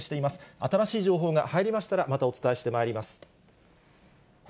新しい情報が入りましたら、またお伝えしてまいります。